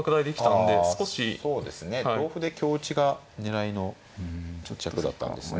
同歩で香打ちが狙いの一着だったんですね。